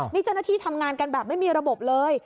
นี่เจ้าหน้าที่ทำงานกันแบบไม่มีระบบเลย